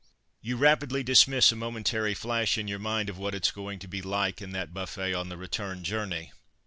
You rapidly dismiss a momentary flash in your mind of what it's going to be like in that buffet on the return journey.